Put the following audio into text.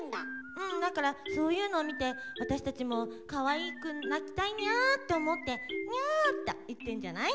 うんだからそういうのを見て私たちもかわいく鳴きたいニャーって思って「ニャー」と言ってんじゃない？